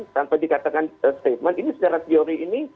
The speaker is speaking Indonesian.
tanpa dikatakan statement ini secara teori ini